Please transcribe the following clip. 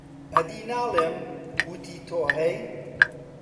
ئەدی ناڵێم، وەتی تۆ هەی،